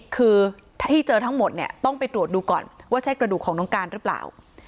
คือถ้าเจอทั้งหมดเนี่ยต้องไปตรวจดูก่อนว่าใช่กระดูกของน้องการหรือเปล่า